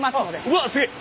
うわすげえ！